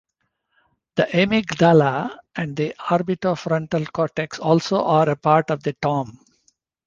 The amygdala and the orbitofrontal cortex also are a part of the ToM.